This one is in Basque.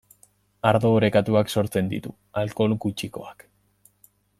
Ardo orekatuak sortzen ditu, alkohol gutxikoak.